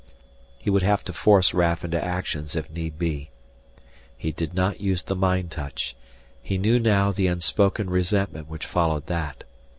He would have to force Raf into action if need be. He did not use the mind touch; he knew now the unspoken resentment which followed that.